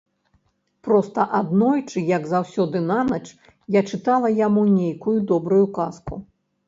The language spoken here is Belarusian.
Проста аднойчы, як заўсёды нанач, я чытала яму нейкую добрую казку.